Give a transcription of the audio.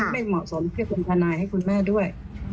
ไม่เหมาะสมเพื่อเป็นทนายให้คุณแม่ด้วย